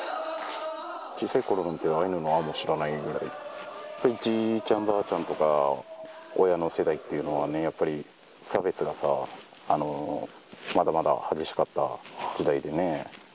小さいころなんて、アイヌのアも知らないくらい、じいちゃん、ばあちゃんとか、親の世代っていうのはね、やっぱり差別がさ、まだまだ激しかった時代でね。